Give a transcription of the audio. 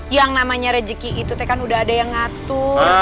yang namanya rejeki itu kan udah ada yang ngatur